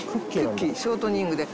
ショートニングで。